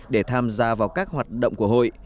để tham gia vào các hoạt động của hội